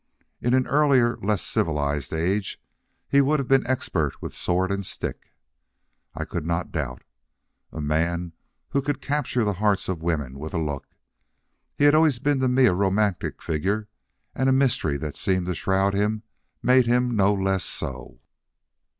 In an earlier, less civilized age, he would have been expert with sword and stick, I could not doubt. A man who could capture the hearts of women with a look. He had always been to me a romantic figure, and a mystery that seemed to shroud him made him no less so.